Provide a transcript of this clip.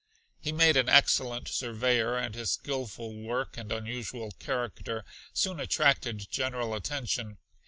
He made an excellent surveyor, and his skilful work and unusual character soon attracted general attention.